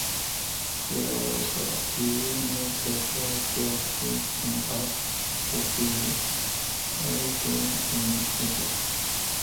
There are also a few notable bakeries and coffee artisans in the area.